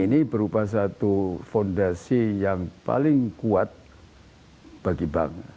ini berupa satu fondasi yang paling kuat bagi bank